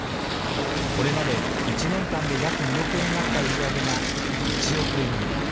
これまで１年間で約２億円あった売り上げが１億円に。